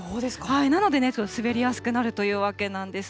なのでね、滑りやすくなるというわけなんです。